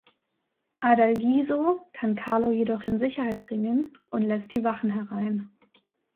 Adalgiso kann Carlo jedoch in Sicherheit bringen und lässt die Wachen herein.